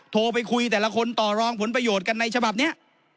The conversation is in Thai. โทรไปคุยแต่ละคนต่อรองผลประโยชน์กันในฉบับนี้